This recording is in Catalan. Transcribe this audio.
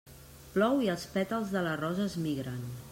Plou i els pètals de la rosa es migren.